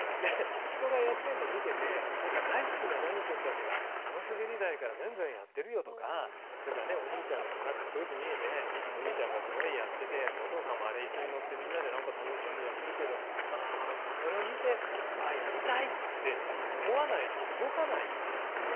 人がやってんの見てて大好きな何くんたちがあのすべり台からビュンビュンやってるよとかそれからお兄ちゃんがかっこよく見えてお兄ちゃんがすごいやっててお父さんもあれ一緒に乗ってみんなでなんか楽しそうにやってるけどそれを見てやりたいって思わないと動かないですよね。